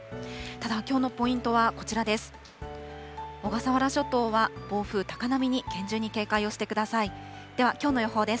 ただきょうのポイントはこちらです。